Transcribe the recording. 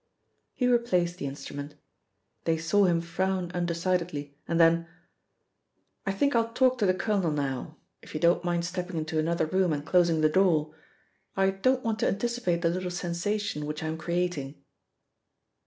He replaced the instrument. They saw him frown undecidedly, and then: "I think I'll talk to the colonel now, if you don't mind stepping into another room and closing the door. I don't want to anticipate the little sensation which I am creating."